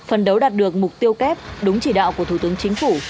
phần đấu đạt được mục tiêu kép đúng chỉ đạo của thủ tướng chính phủ